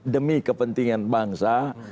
demi kepentingan bangsa